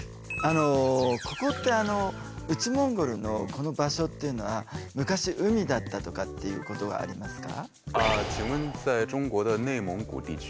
ここってあの内モンゴルのこの場所っていうのは昔海だったとかっていうことがありますか？